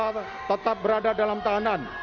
terdakwa tetap berada dalam tahanan